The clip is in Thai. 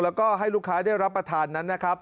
แล้วก็ให้ลูกค้าได้รับประทานนั้นนะครับ